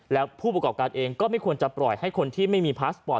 แล้วผู้ประกอบการเองก็ไม่ควรจะปล่อยให้คนที่ไม่มีพาสปอร์ต